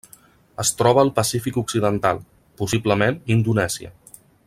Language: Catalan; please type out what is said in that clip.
Es troba al Pacífic occidental: possiblement, Indonèsia.